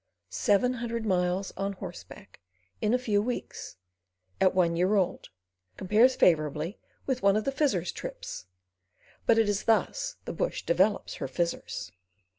Seven hundred miles on horse back in a few weeks, at one year old, compares favourably with one of the Fizzer's trips. But it is thus the bush develops her Fizzers.